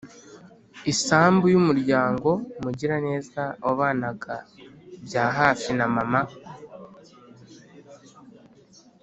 isambu y’umuryango umugiraneza wabanaga byahafi na mama